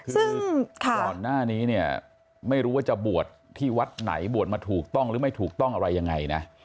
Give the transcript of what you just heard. คือก่อนหน้านี้เนี่ยไม่รู้ว่าจะบวชที่วัดไหนบวชมาถูกต้องหรือไม่ถูกต้องอะไรยังไงนะ